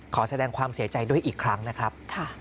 ขอแสดงความเสียใจด้วยอีกครั้งนะครับ